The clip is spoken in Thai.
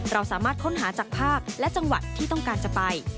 เราสามารถค้นหาจากภาคและจังหวัดที่ต้องการจะไป